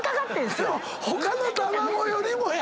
他の卵よりもや！